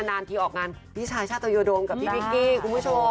นานทีออกงานพี่ชายชาตยดงกับพี่วิกกี้คุณผู้ชม